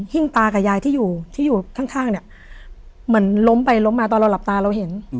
ตากับยายที่อยู่ที่อยู่ข้างเนี่ยเหมือนล้มไปล้มมาตอนเราหลับตาเราเห็น